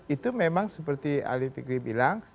itu memang seperti ali fikri bilang